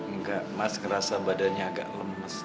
enggak mas ngerasa badannya agak lemes